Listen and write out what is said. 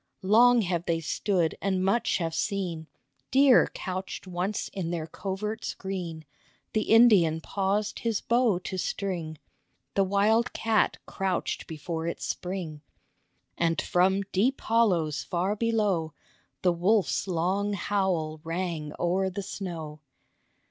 Long have they stood, and much have seen, Deer couched once in their coverts green, The Indian paused his bow to string, The wild cat crouched before its spring, And from deep hollows far below The wolfs long howl rang o 'er the snow.